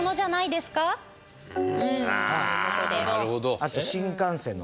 なるほど。